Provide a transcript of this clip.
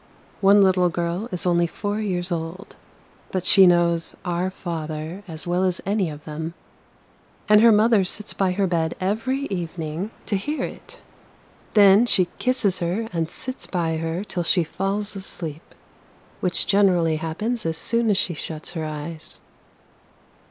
One little girl is only four years old, but she knows ' Our Father ' as well as any of them, and her mother sits by her bed every evening to hear it. Then she kisses her and sits by her till she falls asleep, which generally happens as soon as she shuts her eyes.